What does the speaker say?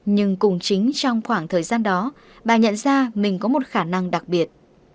nhưng cùng chính trong khoảng thời gian đó bà nhận ra mình có một khả năng đặc biệt